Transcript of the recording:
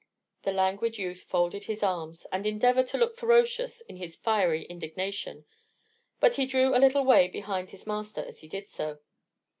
The languid youth folded his arms, and endeavoured to look ferocious in his fiery indignation; but he drew a little way behind his master as he did so.